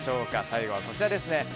最後はこちらです。